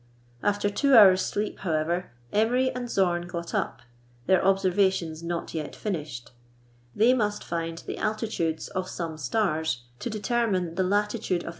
After two hours' sleep, however, Emery and Zorn got up, their observations not yet finished. They must find the altitudes of some stars to determine the latitude of the Encampment under an immense Baobab.